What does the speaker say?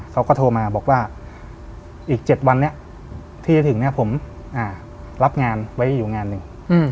เขาก็โทรมาบอกว่าอีก๗วันนี้ที่จะถึงผมรับงานไว้อยู่งานหนึ่ง